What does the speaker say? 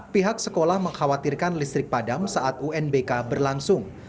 pihak sekolah mengkhawatirkan listrik padam saat unbk berlangsung